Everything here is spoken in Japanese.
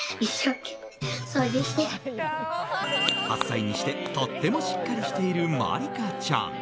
８歳にしてとってもしっかりしている茉莉花ちゃん。